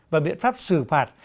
và biện pháp xử phạt